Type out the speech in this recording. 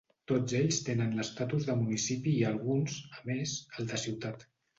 Tots ells tenen l'estatus de municipi i alguns, a més, el de ciutat.